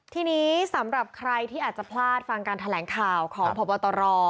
ทีนี้สำหรับใครที่อาจจะพลาดฟังการแถลงข่าวของพบตร